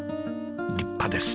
立派です！